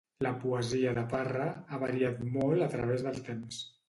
La poesia de Parra ha variat molt a través del temps.